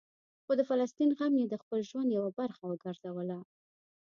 خو د فلسطین غم یې د خپل ژوند یوه برخه وګرځوله.